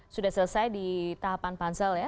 sudah selesai di tahapan pansel ya